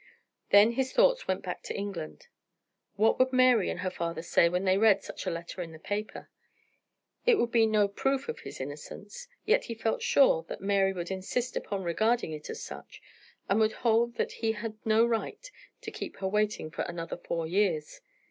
Then his thoughts went back to England. What would Mary and her father say when they read such a letter in the paper? It would be no proof of his innocence, yet he felt sure that Mary would insist upon regarding it as such, and would hold that he had no right to keep her waiting for another four years.